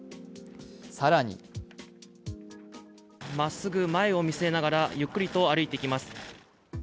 更にまっすぐ前を見据えながら、ゆっくりと歩いていきます。